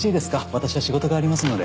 私は仕事がありますので。